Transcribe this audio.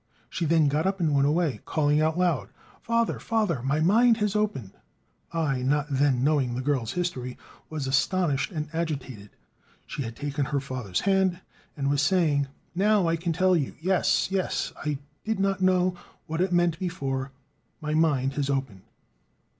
She then got up and went away, calling out aloud: "Father, father! My mind has opened!" I, not then knowing the girl's history, was astonished and agitated. She had taken her father's hand, and was saying: "Now I can tell you, yes, yes; I did not know what it meant before; my mind has opened."